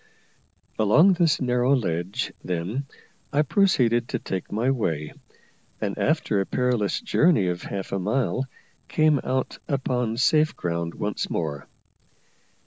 Along this narrow ledge, then, I proceeded to take my way; and, after a perilous journey of half a mile, came out upon safe ground once more.